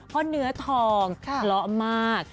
เพราะเนื้อทองเพราะมาก